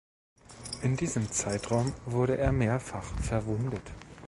In diesem Zeitraum wurde er mehrfach verwundet.